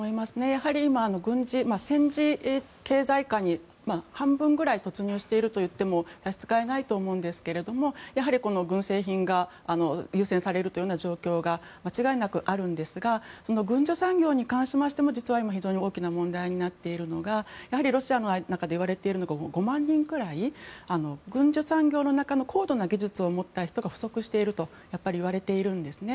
やはり今、戦時経済下に半分ぐらい突入しているといっても差し支えないと思うんですがやはり、軍製品が優先されるという状況が間違いなくあるんですが軍需産業に関しても今非常に問題になっているのがやはりロシアの中で言われているのが５万人ぐらい軍需産業の中の高度な技術を持った人が不足しているといわれているんですね。